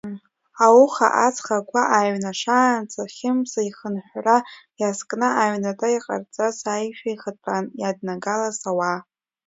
Ауха, аҵх агәы ааҩнашаанӡа Хьымца ихынҳәра иазкны аҩнаҭа иҟарҵаз аишәа иахатәан иаднагалаз ауаа.